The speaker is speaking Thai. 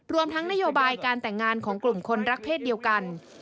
รวมทั้งนโยบายการแต่งงานของกลุ่มคนรักเพศเดียวกัน